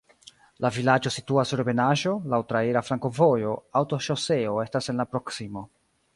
La vilaĝo situas sur ebenaĵo, laŭ traira flankovojo, aŭtoŝoseo estas en la proksimo.